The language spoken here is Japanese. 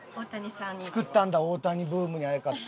作ったんだ大谷ブームにあやかって。